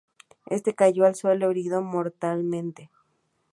Éste cayó al suelo, herido mortalmente.